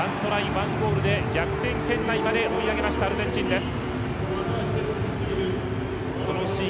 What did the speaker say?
１ゴールで逆転圏内にまで追い上げたアルゼンチンです。